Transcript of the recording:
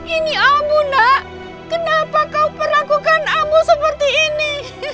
ini abu nak kenapa kau perlakukan abu seperti ini